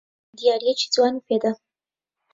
دیارییەکی جوانی پێ دا.